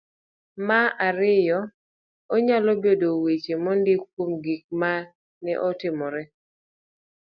ma ariyo .Onyalo bedo weche mondiki kuom gik moko ma ne otimore.